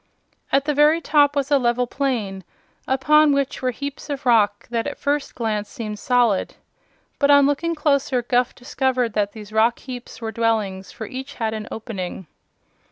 At the very top was a level plain upon which were heaps of rock that at first glance seemed solid. But on looking closer Guph discovered that these rock heaps were dwellings, for each had an opening.